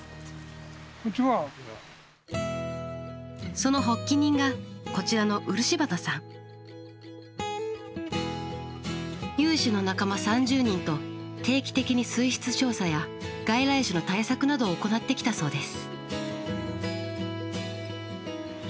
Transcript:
その発起人がこちらの有志の仲間３０人と定期的に水質調査や外来種の対策などを行ってきたそうです。